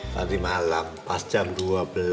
tadi malam pas jam dua belas